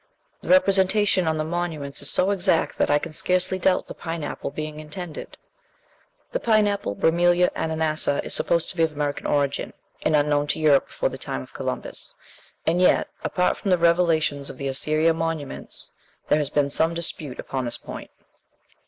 "The representation on the monuments is so exact that I can scarcely doubt the pineapple being intended." (See Layard's "Nineveh and Babylon," p. 338.) The pineapple (Bromelia ananassa) is supposed to be of American origin, and unknown to Europe before the time of Columbus; and yet, apart from the revelations of the Assyrian monuments, there has been some dispute upon this point.